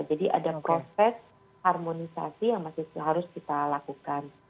jadi ada proses harmonisasi yang masih harus kita lakukan